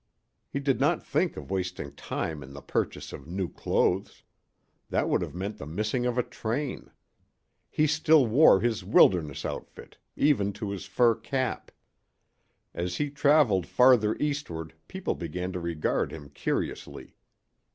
He did not think of wasting time in the purchase of new clothes. That would have meant the missing of a train. He still wore his wilderness outfit, even to his fur cap. As he traveled farther eastward people began to regard him curiously.